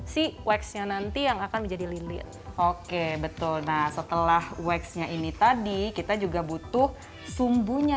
si waxnya nanti yang akan menjadi lilin oke betul nah setelah waxnya ini tadi kita juga butuh sumbunya